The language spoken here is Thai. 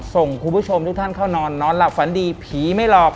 ส่งคุณผู้ชมทุกท่านเข้านอนนอนหลับฝันดีผีไม่หลอก